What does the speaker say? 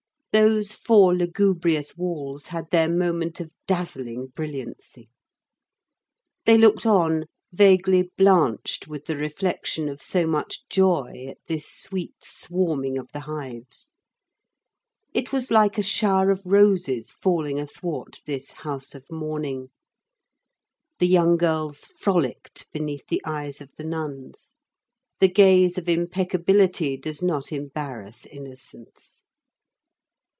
Those four lugubrious walls had their moment of dazzling brilliancy. They looked on, vaguely blanched with the reflection of so much joy at this sweet swarming of the hives. It was like a shower of roses falling athwart this house of mourning. The young girls frolicked beneath the eyes of the nuns; the gaze of impeccability does not embarrass innocence.